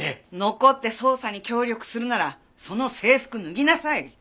残って捜査に協力するならその制服脱ぎなさい！